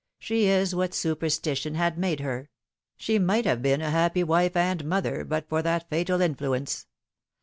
"She is what superstition had made her. She might have been A Wrecked Life. 249 a happy wife and mother but for that fatal influence.